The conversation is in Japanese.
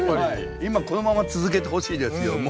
今このまま続けてほしいですよもう。